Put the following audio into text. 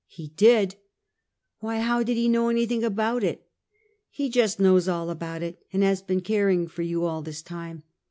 " He did? "Why, how did he know anything about it?" " He just knows all about it, and has been caring for you all this time.